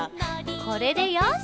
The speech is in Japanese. これでよし！